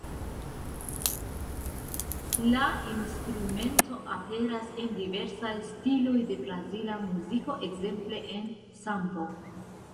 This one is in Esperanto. La instrumento aperas en diversaj stiloj de brazila muziko, ekzemple en sambo.